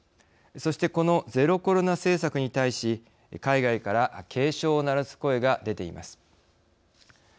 そしてこのゼロコロナ政策に対し海外から警鐘を鳴らす声が出ています。